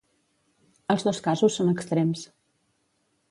Els dos casos són extrems.